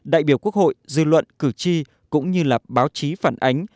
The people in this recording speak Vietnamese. đại biểu quốc hội dư luận cử tri cũng như là báo chí phản ánh